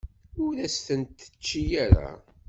Ur as-ten-tečči ara.